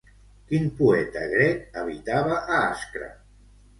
Quin poeta grec habitava a Ascra?